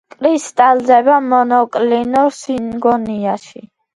კრისტალდება მონოკლინურ სინგონიაში.